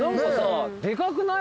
でかくない？